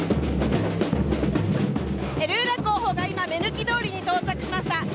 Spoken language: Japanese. ルラ候補が今目抜き通りに到着しました。